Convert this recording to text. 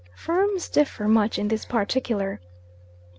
Firms differ much in this particular.